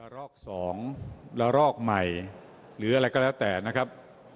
รอก๒และรอกใหม่หรืออะไรก็แล้วแต่นะครับ